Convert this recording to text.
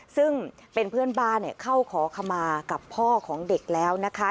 ซึ่งเป็นเพื่อนบ้านเข้าขอขมากับพ่อของเด็กแล้วนะคะ